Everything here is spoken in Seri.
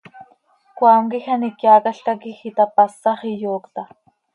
Cmaam quij an iheaacalca quij itapasax, iyoocta.